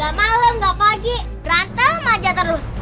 gak malem gak pagi rantel mah aja terus